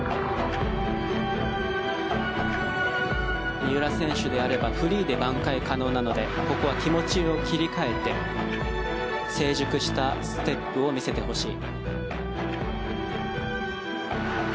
三浦選手であればフリーでばん回可能なのでここは気持ちを切り替えて成熟したステップを見せてほしい。